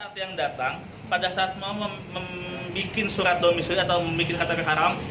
pada saat membuat surat domisili atau membuat kata pekaram